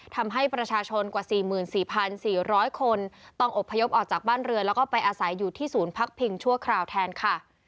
ทำให้ประชาชนกว่า๔๔๔๐๐คนต้องอบพยพออกจากบ้านเรือแล้วก็ไปอาศัยอยู่ที่ศูนย์พักพิงชั่วคราวแทนค่ะ